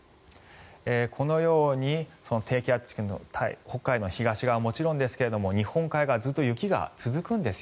このように低気圧近くの北海道の東側はもちろんですが日本海側ずっと雪が続くんです。